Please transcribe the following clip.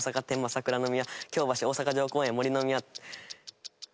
桜ノ宮京橋大阪城公園森ノ宮。